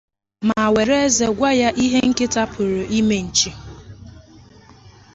ma were eze gwa ya ihe nkịta pụrụ ime nchì